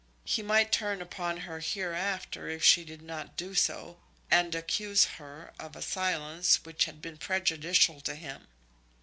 He might turn upon her hereafter if she did not do so, and accuse her of a silence which had been prejudicial to him.